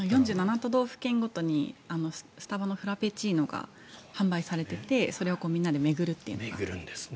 ４７都道府県ごとにスタバのフラペチーノが販売されていてそれをみんなで巡るという。